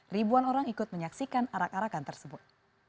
ribuan orang ikut menyaksikan arak arakan tersebut